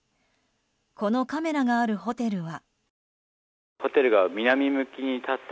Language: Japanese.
このカメラがあるホテルは。